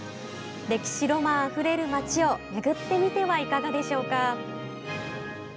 歴史ロマンあふれる街を巡ってみてはいかがでしょうか。